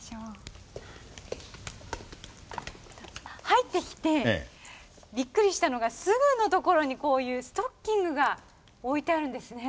入ってきてびっくりしたのがすぐの所にこういうストッキングが置いてあるんですね。